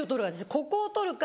ここを取るか